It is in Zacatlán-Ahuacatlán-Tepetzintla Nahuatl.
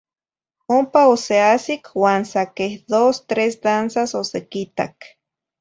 Ompa oseahsic uan sa queh dos, tres danzas n osequitac.